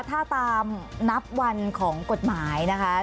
ถ้าตามนับวันของกฎหมายนะคะ